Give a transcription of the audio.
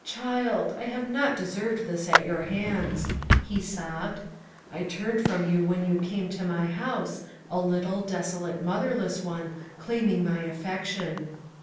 child! I have not deserved this at your hands," he sobbed. "I turned from you when you came to my house, a little, desolate motherless one, claiming my affection."